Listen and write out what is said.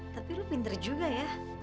tapi lu pinter juga ya